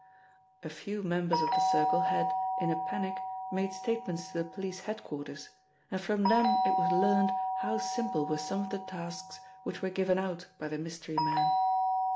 A few members of the Circle had, in a panic, made statements to police head quarters, and from them it was learned how simple were some of the tasks which were given out by the mystery man.